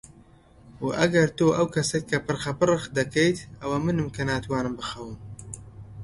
و ئەگەر تۆ ئەو کەسەیت کە پرخەپرخ دەکەیت، ئەوە منم کە ناتوانم بخەوم.